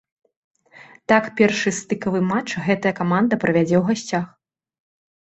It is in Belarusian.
Так першы стыкавы матч гэтая каманда правядзе ў гасцях.